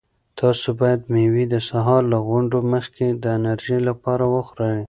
تاسو باید مېوې د سهار له غونډو مخکې د انرژۍ لپاره وخورئ.